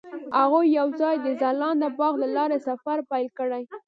هغوی یوځای د ځلانده باغ له لارې سفر پیل کړ.